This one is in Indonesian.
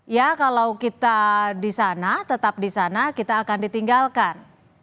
ya kalau kita di sana tetap di sana kita akan ditinggalkan